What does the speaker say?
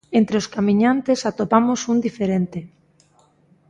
Entre os camiñantes atopamos un diferente.